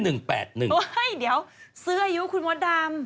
เดี๋ยวซื้ออายุคุณมดดำ